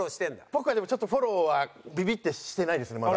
僕はでもちょっとフォローはビビってしてないですねまだ。